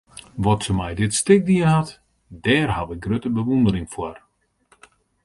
Wat sy mei dit stik dien hat, dêr haw ik grutte bewûndering foar.